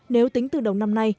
nếu tính từ đầu năm nay